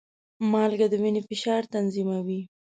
مالګه د وینې فشار تنظیموي.